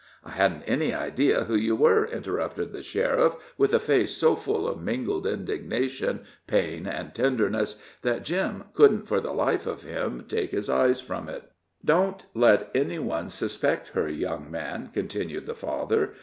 "I hadn't any idea who you were," interrupted the sheriff, with a face so full of mingled indignation, pain and tenderness, that Jim couldn't for the life of him take his eyes from it. "Don't let any one suspect her, young man," continued the father.